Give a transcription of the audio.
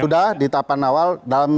ya di tahapan awal